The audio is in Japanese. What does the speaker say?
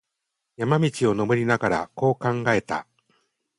山路を登りながら、こう考えた。